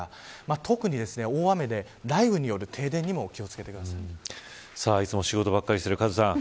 特に大雨で雷雨による停電にもいつも仕事ばかりしてるカズさん。